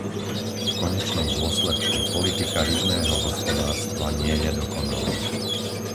V konečnom dôsledku politika rybného hospodárstva nie je dokonalá.